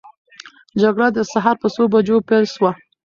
جګړه د سهار په څو بجو پیل سوه؟